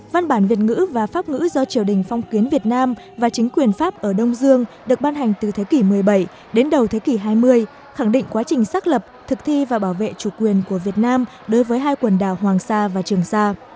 văn bản việt ngữ và pháp ngữ do triều đình phong kiến việt nam và chính quyền pháp ở đông dương được ban hành từ thế kỷ một mươi bảy đến đầu thế kỷ hai mươi khẳng định quá trình xác lập thực thi và bảo vệ chủ quyền của việt nam đối với hai quần đảo hoàng sa và trường sa